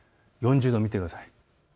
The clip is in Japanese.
４０度を見てください。